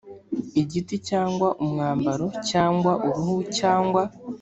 giti cyangwa umwambaro cyangwa uruhu cyangwa